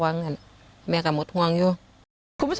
ทั้งครูก็มีค่าแรงรวมกันเดือนละประมาณ๗๐๐๐กว่าบาท